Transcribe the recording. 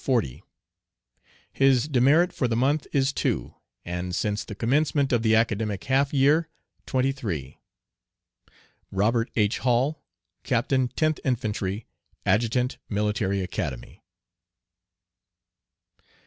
40 His demerit for the month is 2, and since the commencement of the academic half year, 23. Robt. H. Hall, Captain 10th Infantry, Adjutant Military Academy.